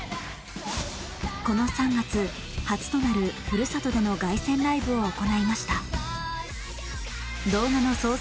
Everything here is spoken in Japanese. この３月初となるふるさとでの凱旋ライブを行いました。